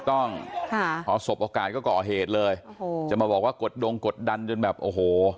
ต้องค่ะพอสบโอกาสก็ก่อเหตุเลยโอ้โหจะมาบอกว่ากดดงกดดันจนแบบโอ้โห